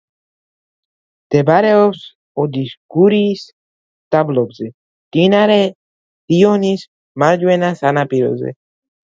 მდებარეობს ოდიშ–გურიის დაბლობზე, მდინარე რიონის მარჯვენა სანაპიროზე.